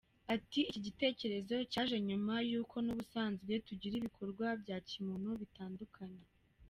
Ati “Iki gitekerezo cyaje nyuma y’uko n’ubusanzwe tugira ibikorwa bya kimuntu bitandukanye.